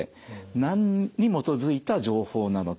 何に基づいた情報なのか。